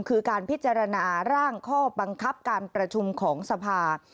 คือการพิจารณาร่างข้อบังคับการประชุมของสภา